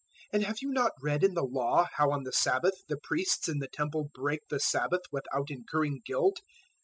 012:005 And have you not read in the Law how on the Sabbath the priests in the Temple break the Sabbath without incurring guilt?